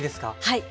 はい。